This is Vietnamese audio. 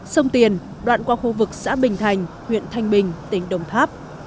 sông tiền đoạn qua khu vực xã bình thành huyện thanh bình tỉnh đồng tháp